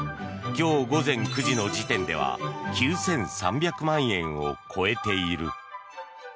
今日午前９時の時点では９３００万円を超えている。